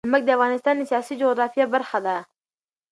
نمک د افغانستان د سیاسي جغرافیه برخه ده.